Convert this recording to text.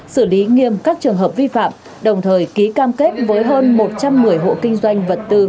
xử lý nghiêm các trường hợp vi phạm đồng thời ký cam kết với hơn một trăm một mươi hộ kinh doanh vật tư